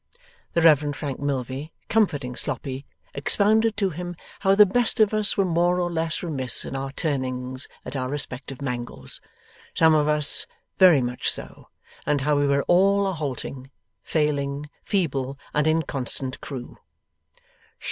The Reverend Frank Milvey, comforting Sloppy, expounded to him how the best of us were more or less remiss in our turnings at our respective Mangles some of us very much so and how we were all a halting, failing, feeble, and inconstant crew.